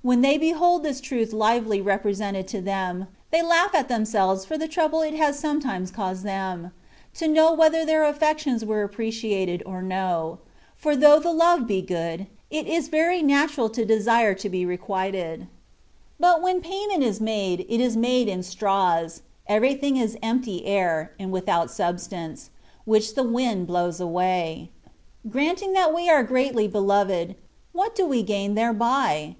When they behold this truth lively represented to them, they laugh at themselves for the trouble it has sometimes caused them, to know whether their affections were appreciated or no ; for though the love be good^ it is very natural to desire to be requited. 32 THE WAY OP PEBPECTION. But when payment is made^ it is made in straws : everything is empty air, and without substance, which the wind blows away. Granting that we are greatly beloved, what do we gain thereby?